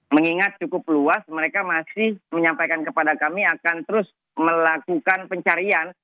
mengingat cukup luas mereka masih menyampaikan kepada kami akan terus melakukan pencarian